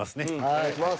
お願いします。